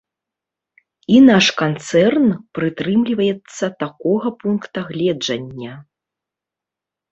І наш канцэрн прытрымліваецца такога пункта гледжання.